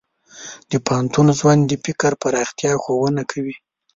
د پوهنتون ژوند د فکر پراختیا ښوونه کوي.